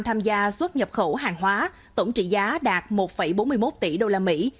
tham gia xuất nhập khẩu hàng hóa tổng trị giá đạt một bốn mươi một tỷ đô la mỹ